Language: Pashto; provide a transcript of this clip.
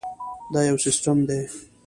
دا یو سیسټم دی.